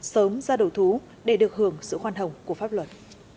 sớm ra đầu thú để được hưởng sự khoan hồng của pháp luật